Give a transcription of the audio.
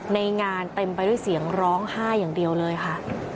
ในงานเต็มไปด้วยเสียงร้องไห้อย่างเดียวเลยค่ะ